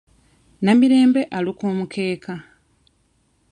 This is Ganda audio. Namirembe aluka omukeeka.